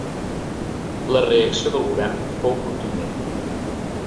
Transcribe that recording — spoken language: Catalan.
La reacció del govern fou contundent.